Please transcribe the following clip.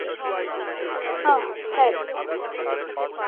অহ, ধ্যাত!